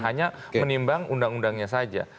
hanya menimbang undang undangnya saja